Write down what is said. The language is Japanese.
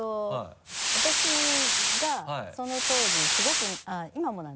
私がその当時すごく今もなんですけど。